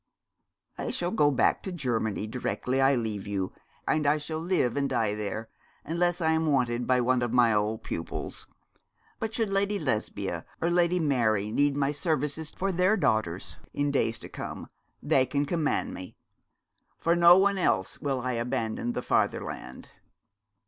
'I shall go back to Germany directly I leave you, and I shall live and die there, unless I am wanted by one of my old pupils. But should Lady Lesbia or Lady Mary need my services for their daughters, in days to come, they can command me. For no one else will I abandon the Fatherland.'